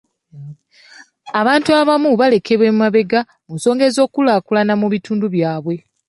Abantu abamu balekebwa emabega mu nsonga z'enkulaakulana mu bitundu byabwe.